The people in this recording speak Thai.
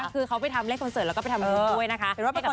คือเขาไปทำเล่นคอนเสิร์ตแล้วก็ไปทำบุญด้วยนะคะ